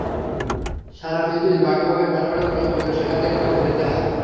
সারা পৃথিবীর বাঘা বাঘা খেলোয়াড়ের পরাস্ত করে সেখানে পদক পেতে হয়।